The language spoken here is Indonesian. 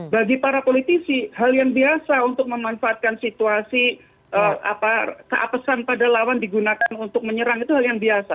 bagi para politisi hal yang biasa untuk memanfaatkan situasi keapesan pada lawan digunakan untuk menyerang itu hal yang biasa